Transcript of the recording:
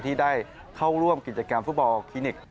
ที่ได้เข้าร่วมกิจกรรมฟุตบอลคลินิก